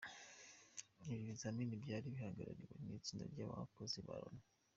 Ibi bizamini byari bihagarariwe n’itsinda ry’abakozi ba Loni.